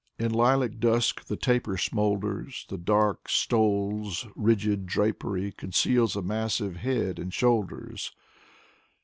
In lilac dusk the taper smolders; The dark stole's rigid drapery Conceals a massive head and shoulders.